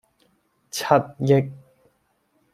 七億